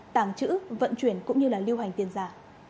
tàng trữ vận chuyển cũng như lưu hành tiền giả